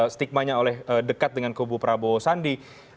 stigmanya oleh dekat dengan kubu prabowo sandi